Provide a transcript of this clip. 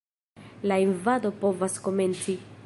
La invado povas komenci.